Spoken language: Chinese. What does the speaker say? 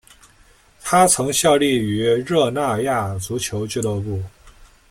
他曾效力于热那亚足球俱乐部。